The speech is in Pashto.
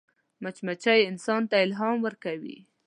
مچمچۍ انسان ته الهام ورکوي